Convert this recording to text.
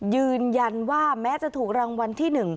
ยืนยันว่าแม้จะถูกรางวัลที่๑